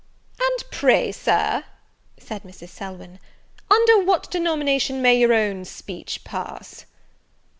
"And pray, Sir," said Mrs. Selwyn, "under what denomination may your own speech pass?"